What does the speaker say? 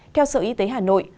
theo sở y tế hà nội